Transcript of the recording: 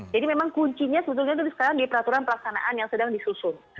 memang kuncinya sebetulnya itu sekarang di peraturan pelaksanaan yang sedang disusun